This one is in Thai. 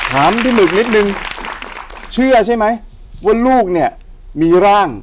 ถามพี่หมึกนิดนึงเชื่อใช่ไหมว่าลูกเนี่ยมีร่าง